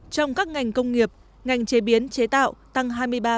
trong các ngành công nghiệp ngành chế biến chế tạo tăng hai mươi ba ba